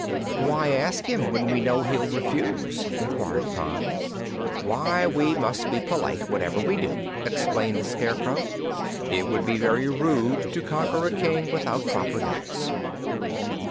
"Why ask him, when we know he'll refuse?" inquired Pon. "Why, we must be polite, whatever we do," explained the Scarecrow. "It would be very rude to conquer a King without proper notice."